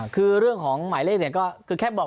คือเรื่องของหมายเลขเนี่ยแค่บอกไว้เฉยแหละอาจจะไม่ได้เป็น